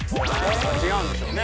違うんでしょうね。